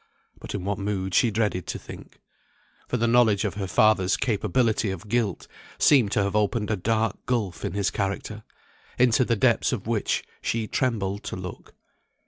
But in what mood she dreaded to think. For the knowledge of her father's capability of guilt seemed to have opened a dark gulf in his character, into the depths of which she trembled to look.